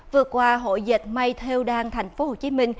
vừa qua hội dệt may theo đan tp hcm